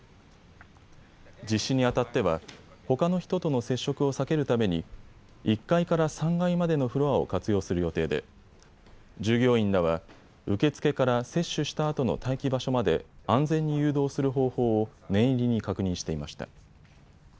実施にあたってはほかの人との接触を避けるために１階から３階までのフロアを活用する予定で従業員らは受け付けから接種したあとの待機場所まで安全に誘導する方法を念入りに確認していました。